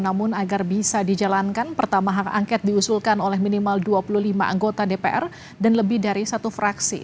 namun agar bisa dijalankan pertama hak angket diusulkan oleh minimal dua puluh lima anggota dpr dan lebih dari satu fraksi